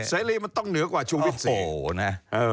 เศรีย์วิสุทธิ์มันต้องเหนือกว่าชุวิตสี